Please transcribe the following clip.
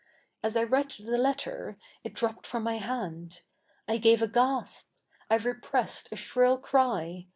As I read the letter, it d7'0pped from my hand. I gave a gasp. I 7 ep7 essed a shrill C7y.